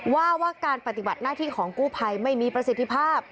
ว่าว่าการปฏิบัติหน้าที่ของกู้ภัยไม่มีประสิทธิภาพ